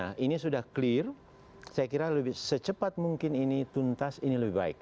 kpu sendiri saya kira lebih secepat mungkin ini tuntas ini lebih baik